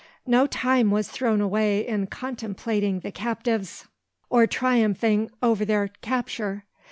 No time was thrown away in contemplating the captives, or triumphing over their capture.